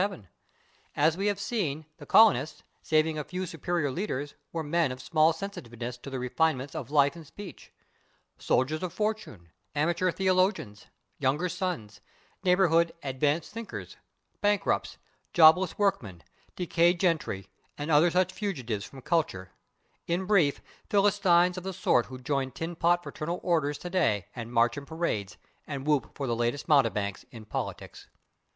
As we have seen, the colonists, saving a few superior leaders, were men of small sensitiveness to the refinements of life and speech: soldiers of fortune, amateur theologians, younger sons, neighborhood "advanced thinkers," bankrupts, jobless workmen, decayed gentry, and other such fugitives from culture in brief, Philistines of the sort who join tin pot fraternal orders today, and march in parades, and whoop for the latest mountebanks in politics.